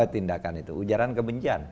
tindakan itu ujaran kebencian